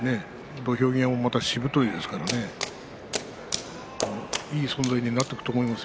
土俵際もしぶといですからいい存在になっていくと思います。